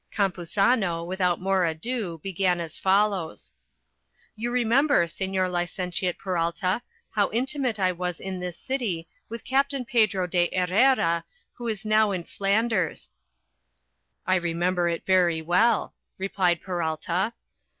Campuzano, without more ado, began as follows:— You remember, Señor Licentiate Peralta, how intimate I was in this city with Captain Pedro de Herrera, who is now in Flanders. "I remember it very well," replied Peralta.